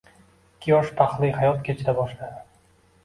Ikki yosh baxtli hayot kechira boshladi